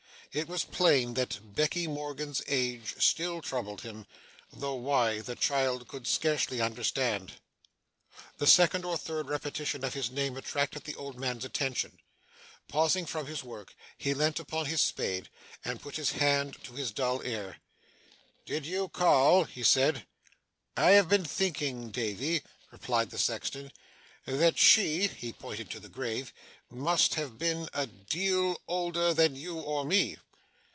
It was plain that Becky Morgan's age still troubled him; though why, the child could scarcely understand. The second or third repetition of his name attracted the old man's attention. Pausing from his work, he leant on his spade, and put his hand to his dull ear. 'Did you call?' he said. 'I have been thinking, Davy,' replied the sexton, 'that she,' he pointed to the grave, 'must have been a deal older than you or me.